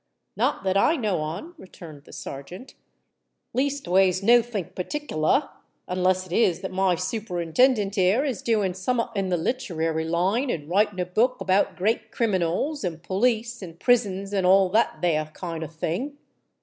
"Not that I know on," returned the Serjeant; "leastways nothink partickler—unless it is that my Superintendent here is doing someot in the littererry line, and writing a book about Great Criminals, and Police, and Prisons, and all that there kind of thing."